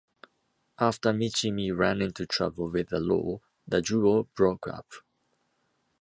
After Michie Mee ran into trouble with the law, the duo broke up.